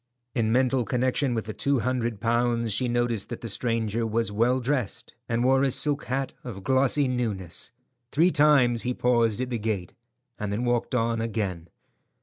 In mental connection with the two hundred pounds, she noticed that the stranger was well dressed, and wore a silk hat of glossy newness. Three times he paused at the gate, and then walked on again.